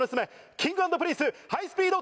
Ｋｉｎｇ＆Ｐｒｉｎｃｅハイスピード！